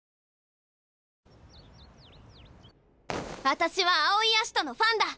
あたしは青井葦人のファンだ！